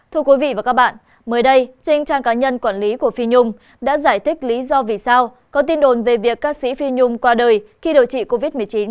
thưa quý vị và các bạn mới đây trên trang cá nhân quản lý của phi nhung đã giải thích lý do vì sao có tin đồn về việc ca sĩ phi nhung qua đời khi điều trị covid một mươi chín